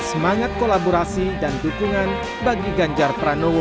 semangat kolaborasi dan dukungan bagi ganjar pranowo